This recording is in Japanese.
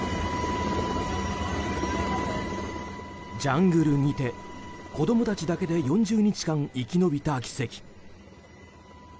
ジャングルにて、子供たちだけで４０日間生き延びた奇跡。